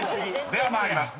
［では参ります。